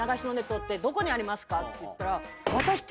って言ったら。